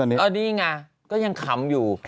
นี่ไงก็ยังขำอยู่